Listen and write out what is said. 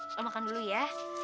nah om makan dulu ya